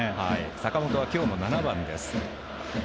坂本は、今日も７番です。